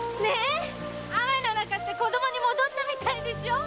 雨の中って子供に戻ったみたいでしょ？